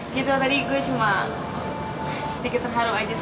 gitu tadi gue cuma sedikit terharap aja sama ini dan yang lainnya